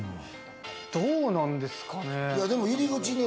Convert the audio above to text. どうなんですかね？